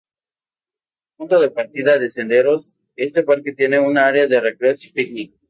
Punto de partida de senderos, este parque tiene área de recreos y picnic.